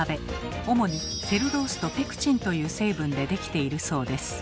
主に「セルロース」と「ペクチン」という成分で出来ているそうです。